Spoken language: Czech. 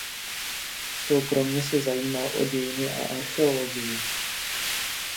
Soukromě se zajímal o dějiny a archeologii.